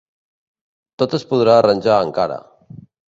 -Tot es podrà arranjar encara.